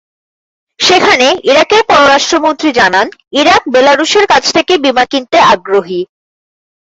সেখানে, ইরাকের পররাষ্ট্র মন্ত্রী জানান, ইরাক বেলারুশের কাছ থেকে বিমান কিনতে আগ্রহী।